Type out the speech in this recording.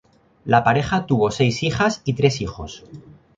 La pareja tuvo seis hijas y tres hijos.